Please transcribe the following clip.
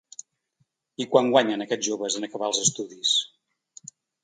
I quant guanyen aquests joves en acabar els estudis?